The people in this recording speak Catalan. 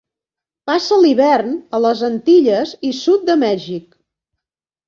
Passa l'hivern a les Antilles i sud de Mèxic.